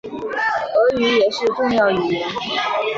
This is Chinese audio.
俄语也是重要语言。